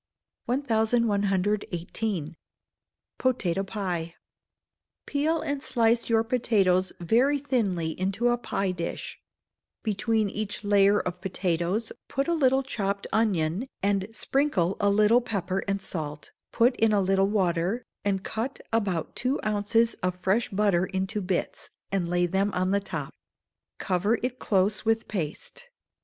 1118. Potato Pie. Peel and slice your potatoes very thinly into a pie dish; between each layer of potatoes put a little chopped onion, and sprinkle a little pepper and salt; put in a little water, and cut about two ounces of fresh butter into bits, and lay them on the top; cover it close with paste.